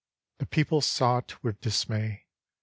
The people saw it with dismay.